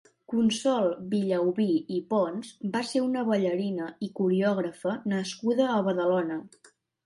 Consol Villaubí i Pons va ser una ballarina i coreògrafa nascuda a Badalona.